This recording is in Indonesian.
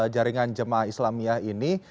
jaringan jemaah islamiyah ini